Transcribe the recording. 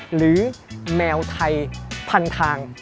หรือแมวไทยพันทาง